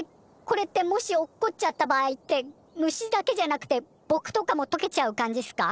これってもし落っこっちゃった場合って虫だけじゃなくてぼくとかもとけちゃう感じっすか？